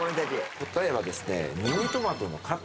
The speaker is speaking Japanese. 答えはですね。